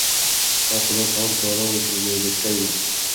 ساعت په داسې حال کې ولاړ و چې بې بيټرۍ و.